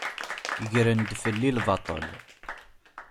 Gren-d fell-i lbaṭel.